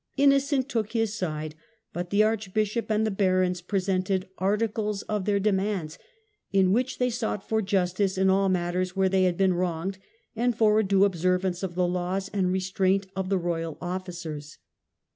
Innocent took his side, but the archbishop and the barons presented 'Articles' of their demands, in which they sought for justice in all matters where they had been wronged, and for a due observance of the laws, and re straint of the royal officers.